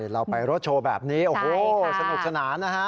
เราไปรถโชว์แบบนี้โอ้โหสนุกสนานนะฮะ